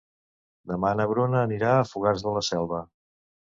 Demà na Bruna anirà a Fogars de la Selva.